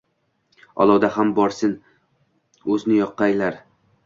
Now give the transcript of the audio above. Olovda ham borsen – o‘zni yoqqaylar